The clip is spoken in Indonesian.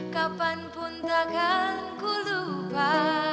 kapanpun takkan ku lupa